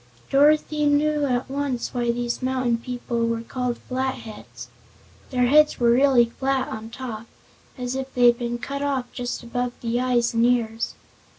Dorothy knew at once why these mountain people were called Flatheads. Their heads were really flat on top, as if they had been cut off just above the eyes and ears.